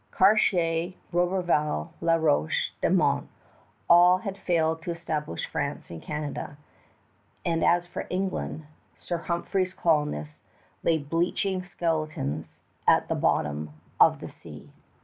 Cartier, Roberval, La Roche, De Monts all had failed to establish France in Canada; and as for England, Sir Humphrey's colonists lay bleaching skeletons at the bottom of the sea.